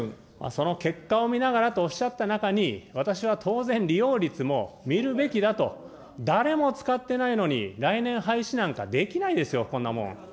その結果を見ながらとおっしゃった中に、私は当然利用率も見るべきだと、誰も使っていないのに、来年廃止なんかできないですよ、こんなもん。